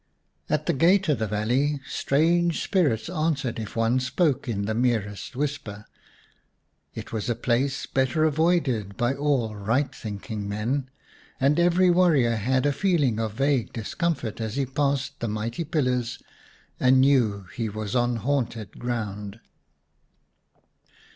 At the gate of the valley strange spirits answered if one spoke in the merest whisper ; it was a place better avoided by all right thinking men, and every warrior had a feeling of vague discomfort as he passed the mighty pillars and knew he was on haunted ground.